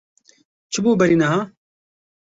Çi bû berî niha?